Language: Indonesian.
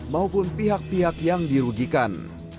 maupun pihak pihak yang dirugikan